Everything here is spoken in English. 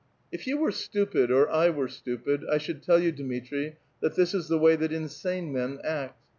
''If you were stupid or I were stupid, I should tell you, Dmitri, that this is the way that insane men act.